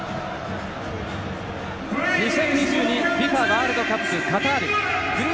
２０２２ＦＩＦＡ ワールドカップカタール。